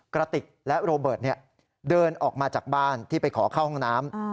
กระติกและโรเบิร์ตเดินออกมาจากบ้านที่ไปขอเข้าห้องน้ำ